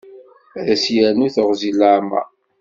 Ad as-yernu teɣzi n leɛmer.